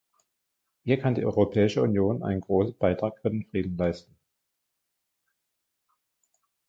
Hier kann die Europäische Union einen großen Beitrag für den Frieden leisten.